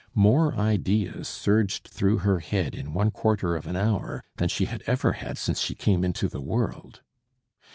More ideas surged through her head in one quarter of an hour than she had ever had since she came into the world.